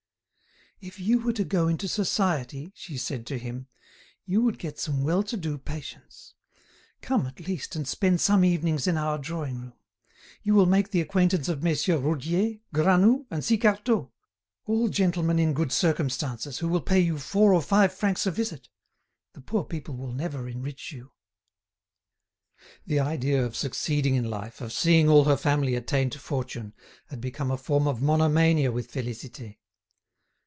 "If you were to go into society," she said to him, "you would get some well to do patients. Come, at least, and spend some evenings in our drawing room. You will make the acquaintance of Messieurs Roudier, Granoux, and Sicardot, all gentlemen in good circumstances, who will pay you four or five francs a visit. The poor people will never enrich you." The idea of succeeding in life, of seeing all her family attain to fortune, had become a form of monomania with Félicité.